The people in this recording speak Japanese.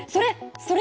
それ！